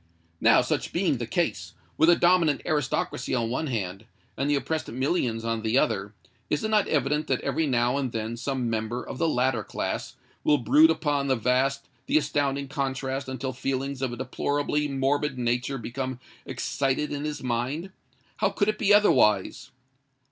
Now, such being the case,—with a dominant aristocracy on one hand, and the oppressed millions on the other,—is it not evident that every now and then some member of the latter class will brood upon the vast, the astounding contrast until feelings of a deplorably morbid nature become excited in his mind? How could it be otherwise?